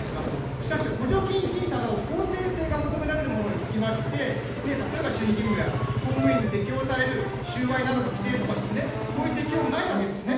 しかし補助金審査など、公正性が求められるものにつきまして、例えば守秘義務や公務員に適用される収賄などの規定とかですね、こういう適用もないわけですね。